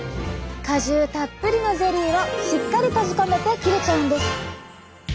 果汁たっぷりのゼリーをしっかり閉じ込めて切れちゃうんです。